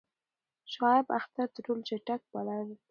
شعیب اختر تر ټولو چټک بالر وو.